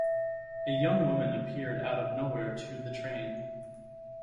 A young woman appeared out of nowhere to the train.